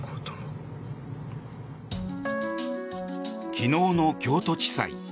昨日の京都地裁。